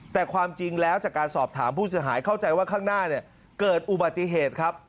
แต่ความจริงแล้วจากการสอบถามผู้เสียหายเข้าใจว่าข้างหน้าเกิดอุบัติเหตุครับ